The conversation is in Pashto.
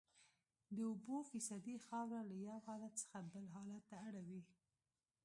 د اوبو فیصدي خاوره له یو حالت څخه بل حالت ته اړوي